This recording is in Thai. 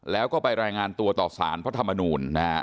แล้วก็ไปรายงานตัวต่อสารพระธรรมนูลนะฮะ